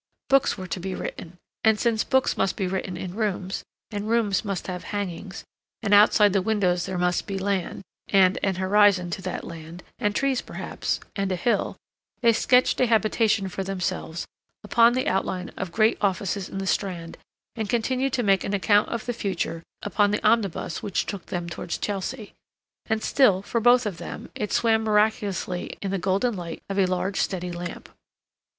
Books were to be written, and since books must be written in rooms, and rooms must have hangings, and outside the windows there must be land, and an horizon to that land, and trees perhaps, and a hill, they sketched a habitation for themselves upon the outline of great offices in the Strand and continued to make an account of the future upon the omnibus which took them towards Chelsea; and still, for both of them, it swam miraculously in the golden light of a large steady lamp.